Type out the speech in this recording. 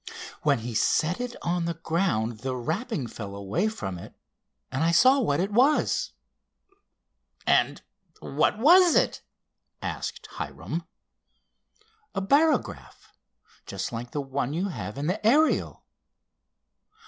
When he set it on the ground the wrapping fell away from it and I saw what it was." "And what was it?" asked Hiram. "A barograph, just like the one you have in the Ariel."